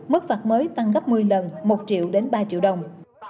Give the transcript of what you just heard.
mức phạt mới tăng gấp một mươi lần một triệu đến ba triệu đồng